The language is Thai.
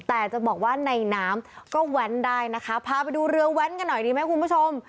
แต่จะบอกว่าในน้ำก็แว้นได้นะคะพาไปดูเรือแว้นกันหน่อยดีไหมคุณผู้ชม